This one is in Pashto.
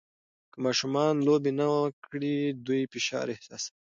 که ماشومان لوبې نه وکړي، دوی فشار احساسوي.